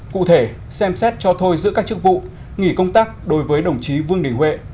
cụ thể xem xét cho thôi giữa các chức vụ nghỉ công tác đối với đồng chí vương đình huệ